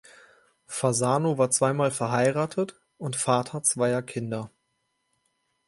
Fasano war zweimal verheiratet und Vater zweier Kinder.